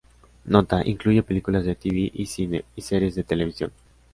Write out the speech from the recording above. Nota: Incluye películas de tv y cine y series de televisión.